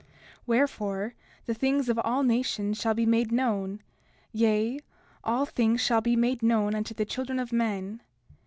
30:16 Wherefore, the things of all nations shall be made known; yea, all things shall be made known unto the children of men.